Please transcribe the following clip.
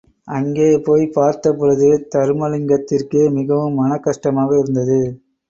அங்கே போய் பார்த்தபொழுது, தருமலிங்கத்திற்கே மிகவும் மனக் கஷ்டமாக இருந்தது.